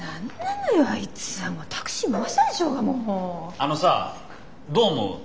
あのさどう思う？